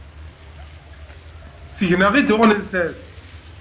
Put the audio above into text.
Seg-neɣ i d-uɣen llsas.